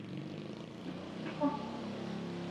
著名景点有覆舟火山和万隆温泉。